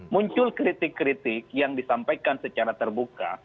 muncul kritik kritik yang disampaikan secara terbuka